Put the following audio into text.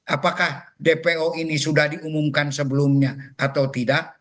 apakah dpo ini sudah diumumkan sebelumnya atau tidak